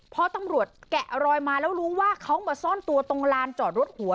พอตำรวจแกะรอยมาแล้วรู้ว่าเขามาซ่อนตัวตรงลานจอดรถหัว